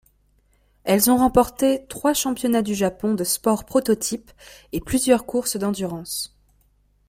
Elles ont remporté trois championnats du Japon de sport-prototypes et plusieurs courses d'endurance.